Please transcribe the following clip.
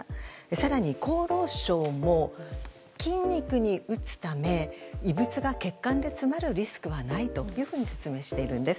更に、厚労省も筋肉に打つため異物が血管で詰まるリスクがないと説明しているんです。